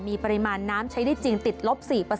มีปริมาณน้ำใช้ได้จริงติดลบ๔